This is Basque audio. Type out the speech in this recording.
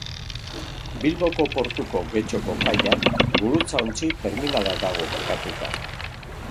Bilboko portuko Getxoko kaian gurutzaontzi terminala dago kokatuta.